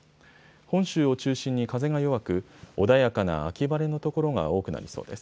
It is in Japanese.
本州を中心に風が弱く穏やかな秋晴れの所が多くなりそうです。